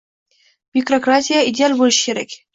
Byurokratiya ideal bo`lishi kerak